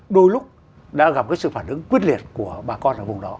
đôi lúc đã gặp cái sự phản ứng quyết liệt của bà con ở vùng đó